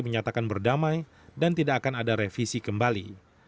menyatakan berdamai dan tidak akan ada revisi kembali